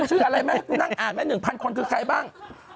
ชื่ออะไรแม่คุณนั่งอ่านแม่หนึ่งพันคนคือใครบ้าง